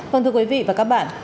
vâng thưa quý vị và các bạn